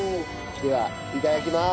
ではいただきます。